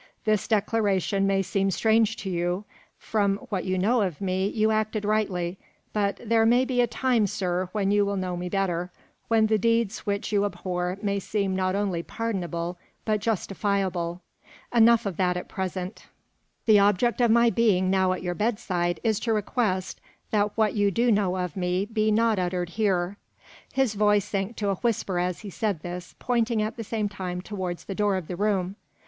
This declaration may seem strange to you. From what you knew of me, you acted rightly; but there may be a time, sir, when you will know me better: when the deeds which you abhor may seem not only pardonable, but justifiable. Enough of this at present. The object of my being now at your bedside is to request that what you do know of me be not uttered here." His voice sank to a whisper as he said this, pointing at the same time towards the door of the room.